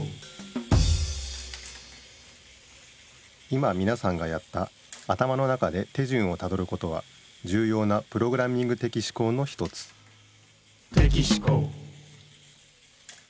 今みなさんがやった頭の中で手順をたどることはじゅうようなプログラミング的思考の一つぜんいんしゅうごう！